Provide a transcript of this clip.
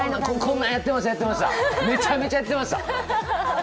めちゃめちゃ、やってました！